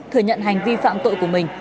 thừa nhận hành vi phạm tội của mình